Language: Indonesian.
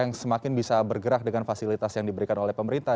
yang semakin bisa bergerak dengan fasilitas yang diberikan oleh pemerintah